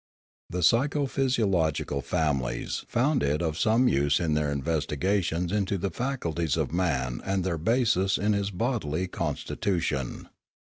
The psycho physiological families found it of some use in their investigations into the faculties of man and their basis in his bodily consti tution.